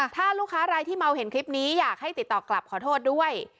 ถ้าลูกค้ารายที่เมาเห็นคลิปนี้อยากให้ติดต่อกลับขอโทษด้วย